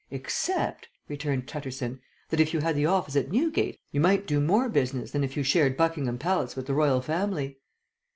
"Except," returned Tutterson, "that if you had the office at Newgate you might do more business than if you shared Buckingham Palace with the Royal family."